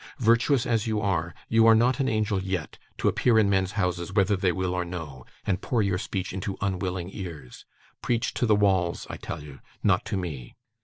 Virtuous as you are, you are not an angel yet, to appear in men's houses whether they will or no, and pour your speech into unwilling ears. Preach to the walls I tell you; not to me!